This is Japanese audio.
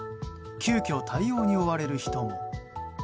急きょ対応に追われる人も。